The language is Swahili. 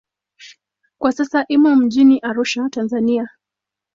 Kwa sasa imo mjini Arusha, Tanzania.